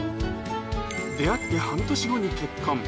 出会って半年後に結婚。